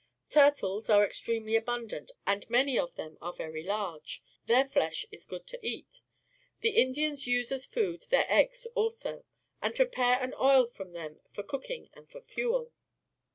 Turtles are extremely abundant, and many of them are very large. Their flesh is good to eat. The Indians use as food their eggs also, and prepare an oil from them for cooking ami for fuel.